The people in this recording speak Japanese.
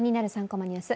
３コマニュース」